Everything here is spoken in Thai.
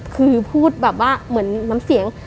คือพูดแบบว่าเหมือนน้ำเสียง